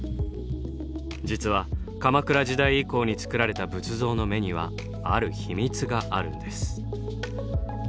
実は鎌倉時代以降に作られた仏像の目にはある秘密があるんです。